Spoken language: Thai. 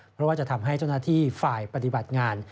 เพราะว่าจะทำให้เจ้าหน้าที่ฝ่ายปฏิบัติงาน